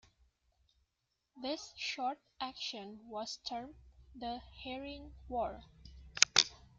This short action was termed 'The Herring War'.